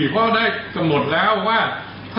เพราะได้กำหนดแล้วว่า